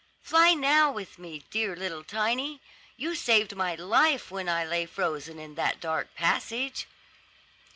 Fly now with me, dear little Tiny; you saved my life when I lay frozen in that dark passage."